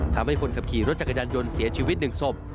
ทำให้คนขับขี่รถจักรยานยนต์เสียชีวิต๑ศพ